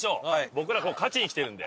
僕ら勝ちに来てるんで。